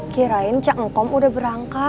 kirain cak engkom udah berangkat